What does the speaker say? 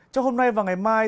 cho hôm nay và ngày mai